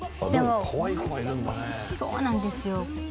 そうなんですよ。